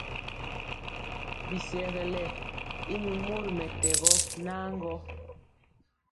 Bisɛlege y mi mori mɛtɛgɔ nan gɔ.